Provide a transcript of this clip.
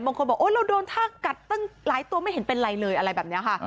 บางคนบอกโอ๊ยเราโดนท่ากัดตั้งหลายตัวไม่เห็นเป็นไรเลยอะไรแบบนี้ค่ะ